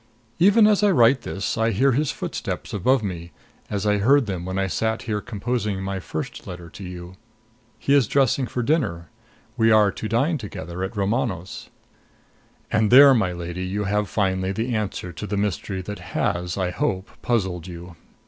Even as I write this, I hear his footsteps above me, as I heard them when I sat here composing my first letter to you. He is dressing for dinner. We are to dine together at Romano's. And there, my lady, you have finally the answer to the mystery that has I hope puzzled you.